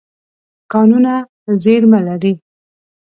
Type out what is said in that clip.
کانونه زیرمه لري.